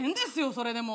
それでも。